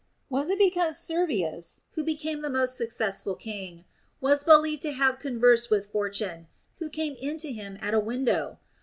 Was it because Servius, who became the most successful king, was believed to have conversed with Fortune, who came in to him at a window